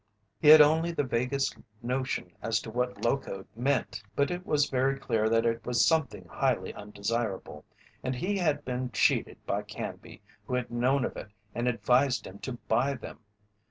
He had only the vaguest notion as to what "locoed" meant, but it was very clear that it was something highly undesirable. And he had been cheated by Canby, who had known of it and advised him to buy them!